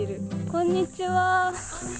こんにちは。